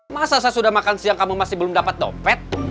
masa saya sudah makan siang kamu masih belum dapat dompet